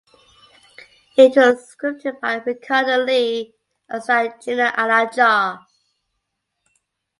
It was scripted by Ricardo Lee and starred Gina Alajar.